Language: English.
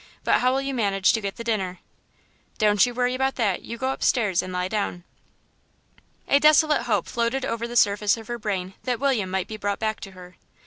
But how'll you manage to get the dinner?" "Don't you worry about that; you go upstairs and lie down." A desolate hope floated over the surface of her brain that William might be brought back to her.